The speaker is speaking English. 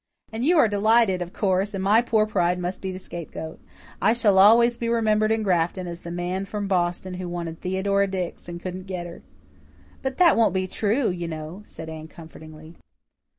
"And you are delighted, of course, and my poor pride must be the scapegoat. I shall always be remembered in Grafton as the man from Boston who wanted Theodora Dix and couldn't get her." "But that won't be true, you know," said Anne comfortingly.